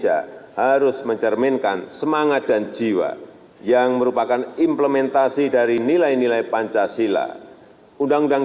dan juga membangun tingkat balik kegunaan rakyat indonesia dan apabila saat ini